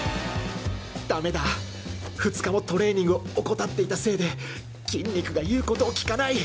ダメだ２日もトレーニングを怠っていたせいで筋肉が言うことを聞かない！